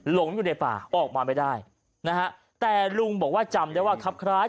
หลงอยู่ในป่าออกมาไม่ได้นะฮะแต่ลุงบอกว่าจำได้ว่าครับคล้าย